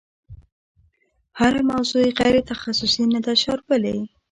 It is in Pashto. هره موضوع یې غیر تخصصي نه ده شاربلې.